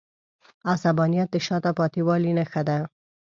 عصبانیت د شاته پاتې والي نښه ده.